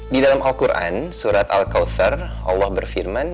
di dalam al quran surat al qawfer allah berfirman